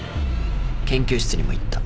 研究室にも行った。